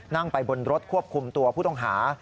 นั่งไปบนรถควบคุมตัวผู้ต้องหา